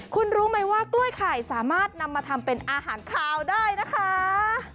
คุณรู้ไหมว่ากล้วยไข่สามารถนำมาทำเป็นอาหารคาวได้นะคะ